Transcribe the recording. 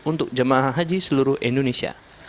untuk jemaah haji seluruh indonesia